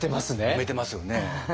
埋めてますよね。